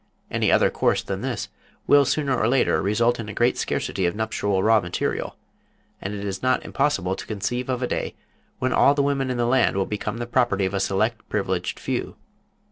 Any other course than this will sooner or later result in a great scarcity of nuptial raw material, and it is not impossible to conceive of a day when all the women in the land will become the property of a select, privileged few.